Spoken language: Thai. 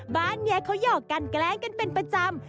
บ้านนี้เขาหยอกกันแกล้งกันเป็นประจำ